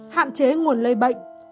hạn chế nguồn lây bệnh